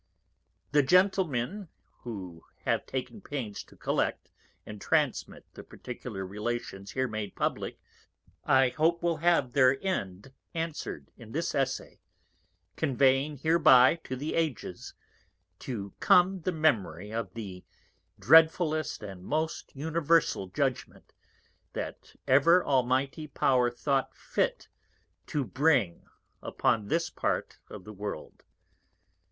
_ _The Gentlemen, who have taken the Pains to collect and transmit the Particular Relations here made publick, I hope will have their End answered in this Essay, conveying hereby to the Ages to come the Memory of the dreadfulest and most universal Judgment that ever Almighty Power thought fit to bring upon this Part of the World.